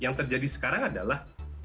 yang terjadi sekarang adalah